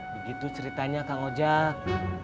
begitu ceritanya kang ojak